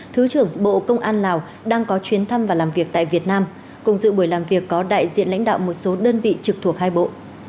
thứ trưởng bộ công an lào đang có chuyến thăm và làm việc tại việt nam cùng dự buổi làm việc có đại diện lãnh đạo một số đơn vị trực thuộc hai bộ